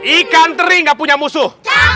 ikan teri nggak punya musuh